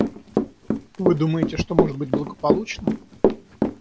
Вы думаете, что может быть благополучно?